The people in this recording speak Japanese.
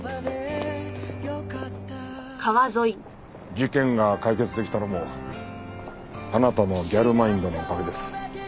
事件が解決できたのもあなたのギャルマインドのおかげです。